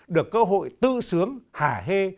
được cơ hội tư sướng hả hê